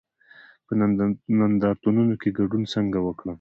په نندارتونونو کې ګډون څنګه وکړم؟